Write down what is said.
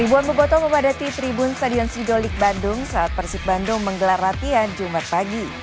ribuan beboto memadati tribun stadion sidolik bandung saat persib bandung menggelar latihan jumat pagi